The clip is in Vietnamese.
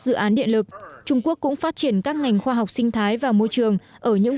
dự án điện lực trung quốc cũng phát triển các ngành khoa học sinh thái và môi trường ở những